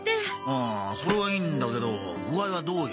それはいいんだけど具合はどうよ？